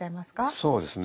そうですね